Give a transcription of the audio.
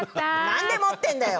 なんで持ってるんだよ！